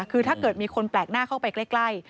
คือถ้าเกิดมีคนแปลกหน้าเข้าไปใกล้